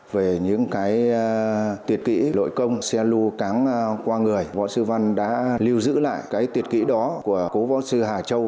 về những cái tiệt kỹ lội công xe lù cán qua người võ sư văn đã lưu giữ lại cái tiệt kỹ đó của cô võ sư hà châu